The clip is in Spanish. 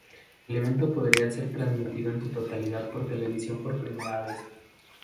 El evento podría ser transmitido en su totalidad por televisión por primera vez.